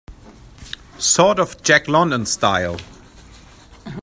Sort of a Jack London style?